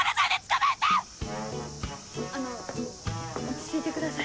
あの落ち着いてください。